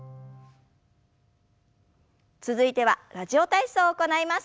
続いては「ラジオ体操」を行います。